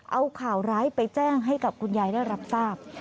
เอาข่าวร้ายไปแจ้งให้กับคุณยายได้รับทราบ